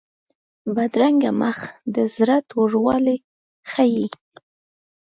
بدرنګه مخ د زړه توروالی ښيي